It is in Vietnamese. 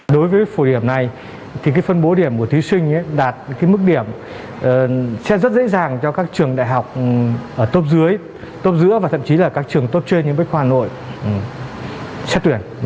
đối với phổ điểm này thì cái phân bố điểm của thí sinh đạt mức điểm sẽ rất dễ dàng cho các trường đại học ở top dưới tốt giữa và thậm chí là các trường tốt trên như bách khoa hà nội xét tuyển